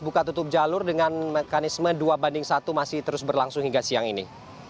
buka tutup jalur dengan mekanisme dua banding satu masih terus berlangsung hingga siang ini